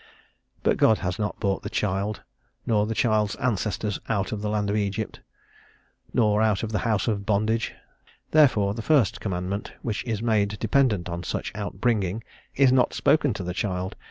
But God has not brought the child, nor the child's ancestors, out of the land of Egypt, nor out of the house of bondage: therefore the first commandment, which is made dependent on such out bringing, is not spoken to the child.